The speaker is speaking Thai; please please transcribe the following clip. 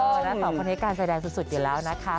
นะสองคนนี้การแสดงสุดอยู่แล้วนะคะ